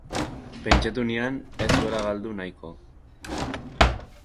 Pentsatu nian ez huela galdu nahiko.